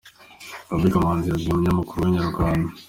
Gaby Kamanzi yabwiye umunyamakuru wa Inyarwanda.